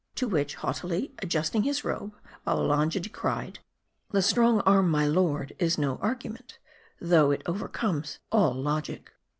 ' To which, haughtily adjusting his robe, Babbalanja re plied, " The strong arm, my lord, is no argument, though it overcomes all logic."